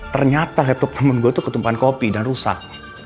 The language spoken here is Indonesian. ternyata laptop temen gue itu ketumpahan kopi dan rusak